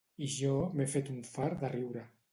I jo m'he fet un fart de riure